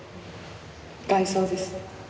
外装です。